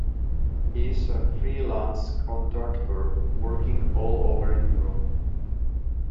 He is a free lance conductor working all over Europe.